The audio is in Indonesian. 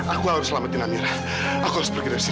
aku harus selamatin amira aku harus pergi dari sini